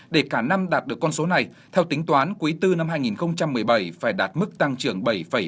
để cả năm đạt được con số này theo tính toán quý bốn năm hai nghìn một mươi bảy phải đạt mức tăng trưởng bảy ba mươi